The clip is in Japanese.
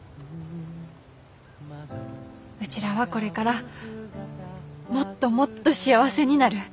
うちらはこれからもっともっと幸せになる。